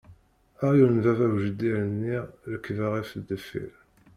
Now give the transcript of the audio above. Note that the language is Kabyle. Aɣyul n baba u jeddi rniɣ rrekba ɣer deffier!